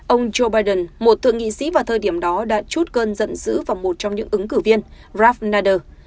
ông joe biden một thượng nghị sĩ vào thời điểm đó đã chút cơn giận dữ vào một trong những ứng cử viên ralph nader